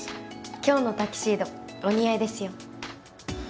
今日のタキシードお似合いですよ